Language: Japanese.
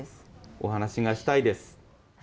お話がしたいです。